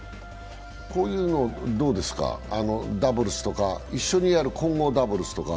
こういうのはどうですか、ダブルスとか一緒にやる混合ダブルスとか。